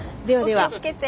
ではでは。